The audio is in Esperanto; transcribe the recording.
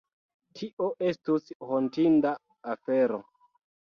Tio estus hontinda afero.